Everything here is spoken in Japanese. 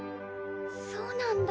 そうなんだ。